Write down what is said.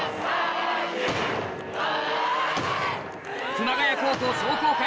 熊谷高校壮行会